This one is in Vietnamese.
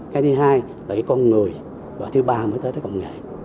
cái thứ hai là cái con người và thứ ba mới tới công nghệ